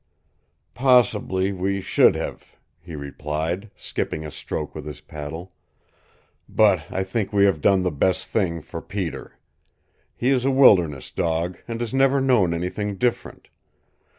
"Possibly we should have," he replied, skipping a stroke with his paddle. "But I think we have done the best thing for Peter. He is a wilderness dog, and has never known anything different.